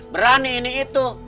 berani ini itu